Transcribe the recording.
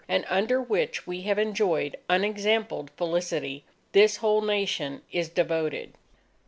and under which we have enjoyed unexampled felicity, this whole Nation is devoted.